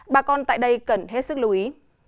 bà con tại đây cần hết sức lưu ý